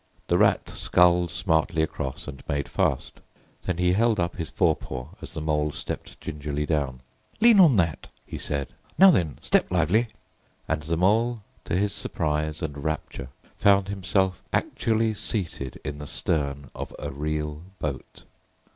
The Rat sculled smartly across and made fast. Then he held up his forepaw as the Mole stepped gingerly down. "Lean on that!" he said. "Now then, step lively!" and the Mole to his surprise and rapture found himself actually seated in the stern of a real boat.